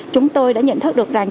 chúng tôi đã nhận thức được rằng